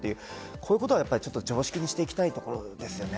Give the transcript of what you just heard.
こういうことは常識にしていきたいですよね。